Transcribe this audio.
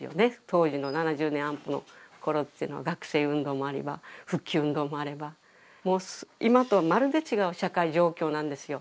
当時の７０年安保の頃ってのは学生運動もあれば復帰運動もあればもう今とはまるで違う社会状況なんですよ。